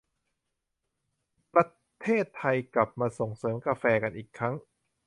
ประเทศไทยกลับมาส่งเสริมกาแฟกันอีกครั้ง